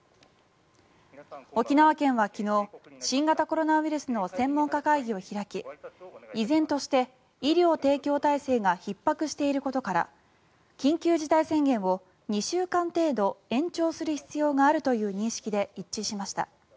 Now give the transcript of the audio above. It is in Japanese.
沖縄県は昨日新型コロナウイルスの専門家会議を開き依然として医療提供体制がひっ迫していることから緊急事態宣言を２週間程度延長する必要があるという認識で一致しました。